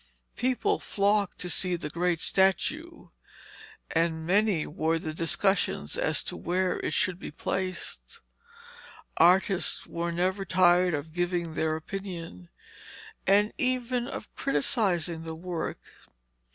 People flocked to see the great statue, and many were the discussions as to where it should be placed. Artists were never tired of giving their opinion, and even of criticising the work.